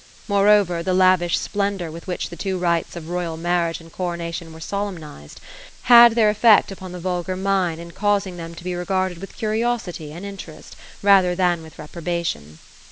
Moreover, the lavish splendour, with which the two rites of royal marriage and coronation were solemnized, had THE ROSE OF ELSINORE. 263 their effect upon the vulgar mind, in causing them to be regard«,d with curiosity and interest, rather than with r/bprobation.